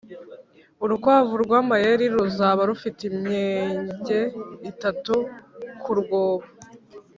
urukwavu rwamayeri ruzaba rufite imyenge itatu kurwobo